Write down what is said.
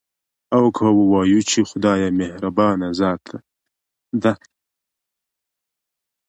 او که ووايو، چې خدايه مهربانه ذاته ده